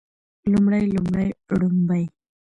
لومړی لومړۍ ړومبی